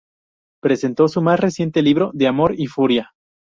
Presentó su más reciente libro "De amor y furia.